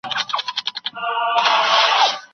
د حافظې پیاوړتیا د هر چا لپاره ممکنه ده.